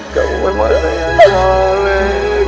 kamu memang adalah yang paling